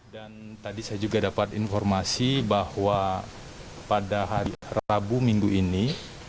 dan tadi saya juga dapat informasi bahwa pada rabu minggu ini